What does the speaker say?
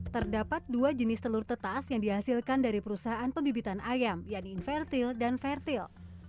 terdapat dua jenis telur tetas yang dihasilkan dari perusahaan pembibitan ayam yaitu invertil dan vertil